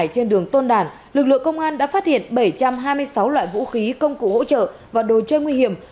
trên đường tôn đản lực lượng công an đã phát hiện bảy trăm hai mươi sáu loại vũ khí công cụ hỗ trợ và đồ chơi nguy hiểm